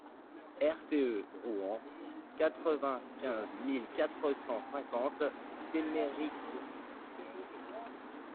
RTE ROUEN, quatre-vingt-quinze mille quatre cent cinquante Théméricourt